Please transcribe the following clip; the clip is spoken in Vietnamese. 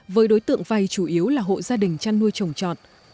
với đối tượng vay chủ yếu là hộ gia đình trăn nuôi trồng trọn